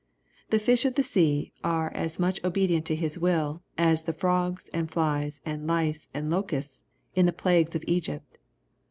The fish of the sea are as much obedient to His will, as the frogs, and flies, and lice, and locusts, in the plagues of Egypt.